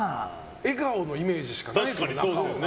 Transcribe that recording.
笑顔のイメージしかないもん。